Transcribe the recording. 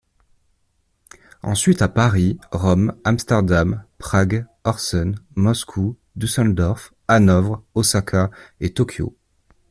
Ensuite à Paris, Rome, Amsterdam, Prague, Horsen, Moscou, Düsseldorf, Hanovre, Osaka et Tokyo.